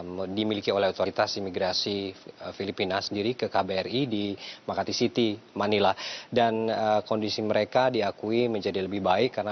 pemerintah filipina telah mencari penyelesaian